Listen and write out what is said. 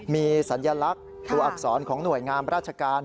มีสัญลักษณ์ตัวอักษรของหน่วยงามราชการ